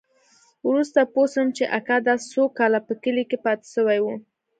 وروسته پوه سوم چې اکا دا څو کاله په کلي کښې پاته سوى و.